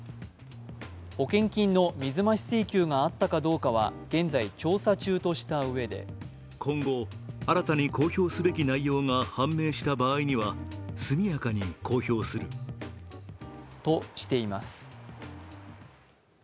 保険金の水増し請求があったかどうかは現在、調査中としたうえでとしています。